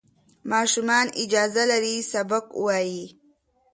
ماشومان اجازه لري سبق ووایي.